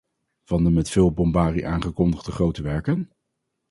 Van de met veel bombarie aangekondigde grote werken?